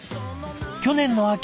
去年の秋